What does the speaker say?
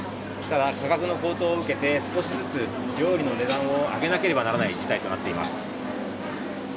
ただ、価格の高騰を受けて少しずつ料理の値段を上げなければならない事態となっています。